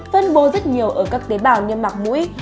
phân bố rất nhiều ở các tế bào niêm mặc mũi